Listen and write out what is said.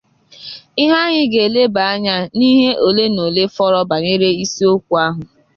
ihe anyị ga-elebà anya n'ihe olenaole fọrọ banyere isiokwu ahụ